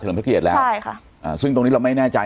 พระเกียรติแล้วใช่ค่ะอ่าซึ่งตรงนี้เราไม่แน่ใจ